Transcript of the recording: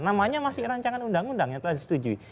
namanya masih rancangan undang undang yang telah disetujui